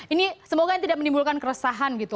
ini semoga tidak menimbulkan keresahan gitu